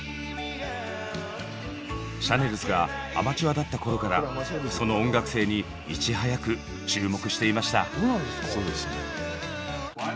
シャネルズがアマチュアだった頃からその音楽性にいち早く注目していました。